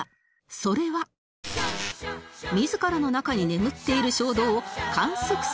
それは自らの中に眠っている衝動を観測せよ！